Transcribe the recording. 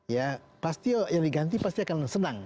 ya pasti yang diganti pasti akan senang